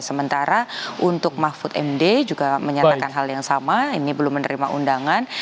sementara untuk mahfud md juga menyatakan hal yang sama ini belum menerima undangan